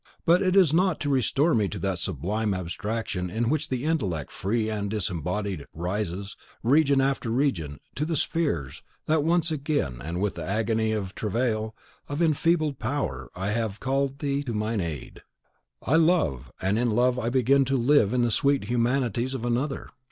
But it is not to restore me to that sublime abstraction in which the intellect, free and disembodied, rises, region after region, to the spheres, that once again, and with the agony and travail of enfeebled power I have called thee to mine aid. I love; and in love I begin to live in the sweet humanities of another.